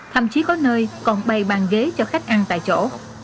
thậm chí có nơi còn bày bàn ghế cho khách ăn tại chỗ